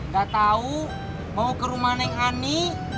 gak tahu mau ke rumah neng ani